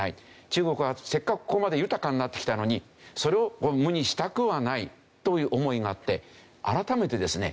中国はせっかくここまで豊かになってきたのにそれを無にしたくはないという思いがあって改めてですね